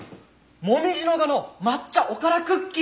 紅葉賀の抹茶おからクッキー！